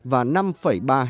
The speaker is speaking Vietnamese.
và năm ba hectare rừng